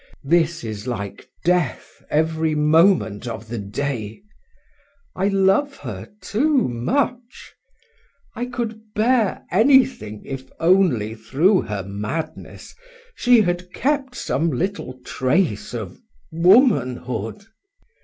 "This is like death every moment of the day! I love her too much! I could bear anything if only through her madness she had kept some little trace of womanhood.